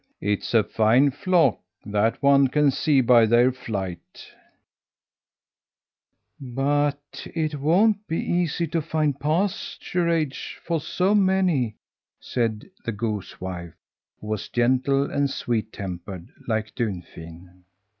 "It is a fine flock that one can see by their flight." "But it won't be easy to find pasturage for so many," said the goose wife, who was gentle and sweet tempered, like Dunfin.